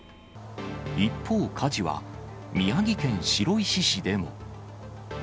一方、火事は宮城県白石市でも。